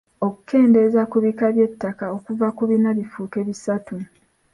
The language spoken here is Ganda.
Okukendeeza ku bika by’ettaka okuva ku bina bifuuke bisatu.